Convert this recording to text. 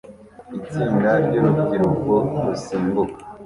Itsinda ryurubyiruko rusimbuka